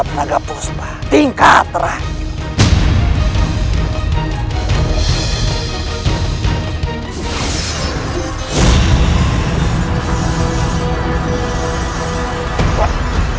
penaga puspa tingkat terakhir